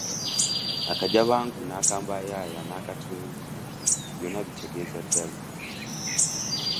Akajabangu n’akambayaaya n’akatwewungu byonna bitegeeza ddalu.